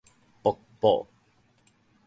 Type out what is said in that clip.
瀑布